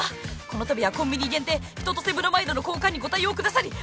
この度はコンビニ限定春夏秋冬ブロマイドの交換にご対応くださり